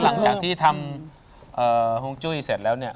หลังจากที่ทำฮวงจุ้ยเสร็จแล้วเนี่ย